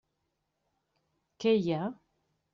Què hi ha?